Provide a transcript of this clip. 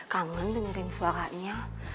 kangen dengerin suaranya